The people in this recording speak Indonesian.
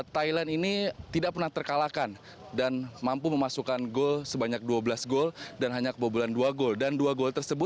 thailand ini tidak pernah terkalahkan dan mampu memasukkan gol sebanyak dua belas gol dan hanya kebobolan dua gol